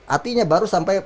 dua satu artinya baru sampai